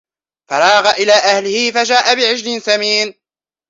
فَرَاغَ إِلَى أَهْلِهِ فَجَاءَ بِعِجْلٍ سَمِينٍ